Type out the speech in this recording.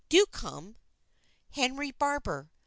Do come! "Henry Barbour.